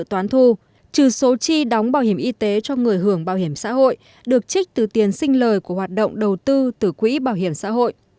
trừ số chi đóng bảo hiểm y tế cho người hưởng bảo hiểm xã hội được trích từ tiền sinh lời của hoạt động đầu tư từ quỹ bảo hiểm xã hội